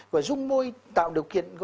và rung môi tạo điều kiện